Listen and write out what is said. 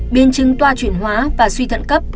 biến chứng toa chuyển hóa và suy thận cấp